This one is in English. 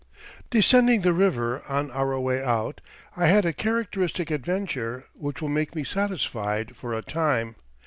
"Descending the river on our way out, I had a characteristic adventure, which will make me satisfied for a time.